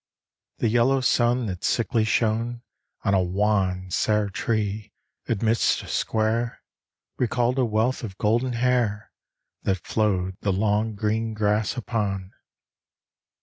The yellow sun that sickly shone On a wan, sere tree, amidst a square, Recalled a wealth of golden hair That flowed the long, green grass upon.